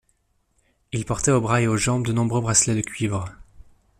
Il portait aux bras et aux jambes de nombreux bracelets de cuivre.